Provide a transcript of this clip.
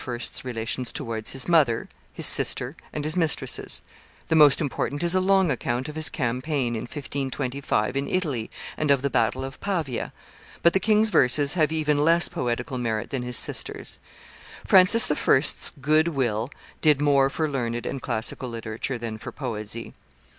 's relations towards his mother, his sister, and his mistresses; the most important is a long account of his campaign, in 1525, in Italy, and of the battle of Pavia; but the king's verses have even less poetical merit than his sister's. Francis I.'s good will did more for learned and classical literature than for poesy.